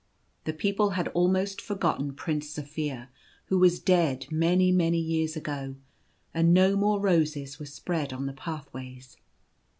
The people had almost forgotten Prince Zaphir, who was dead many, many years ago ; and no more roses were spread on the pathways.